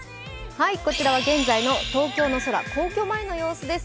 こちらは現在の東京の空皇居前の様子です。